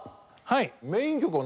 はい。